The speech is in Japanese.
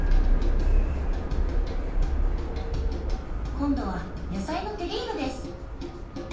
今度は野菜のテリーヌです。